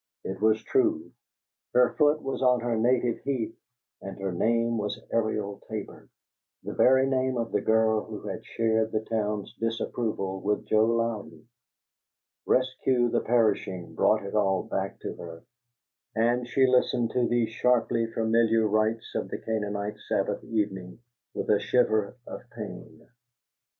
It was true: her foot was on her native heath and her name was Ariel Tabor the very name of the girl who had shared the town's disapproval with Joe Louden! "Rescue the Perishing" brought it all back to her; and she listened to these sharply familiar rites of the Canaanite Sabbath evening with a shiver of pain.